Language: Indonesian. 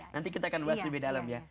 nanti kita akan bahas lebih dalam ya